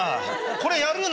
これやるな。